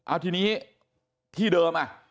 อ้าวทีนี้ที่เดิม